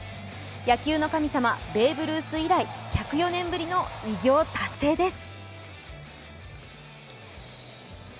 野球の神様、ベーブ・ルース以来、１０４年ぶりの偉業達成です。